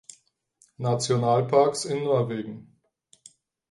Nationalparks in Norwegen